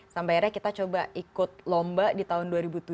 sampai akhirnya kita coba ikut lomba di tahun dua ribu tujuh